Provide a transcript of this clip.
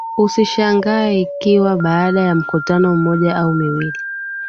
Usishangae ikiwa baada ya mkutano mmoja au miwili